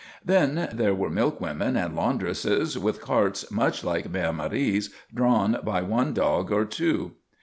Then there were milkwomen and laundresses with carts much like Mère Marie's, drawn by one dog or two.